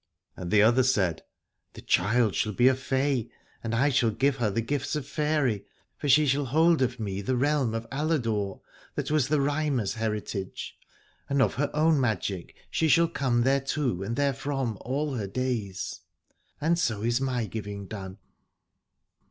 And the 60 Aladore other said : The child shall be a fay, and I give her the gifts of faery : for she shall hold of me the realm of Aladore, that was the Rhymer's heritage : and of her own magic she shall come thereto and therefrom, all her days. And so is my giving done.